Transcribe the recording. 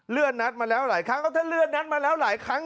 เลื่อนนัดมาแล้วหลายครั้งถ้าเลื่อนนัดมาแล้วหลายครั้ง